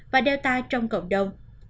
và delta trong cộng đồng